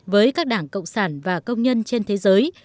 với các đảng cộng sản và công nhân trên thế giới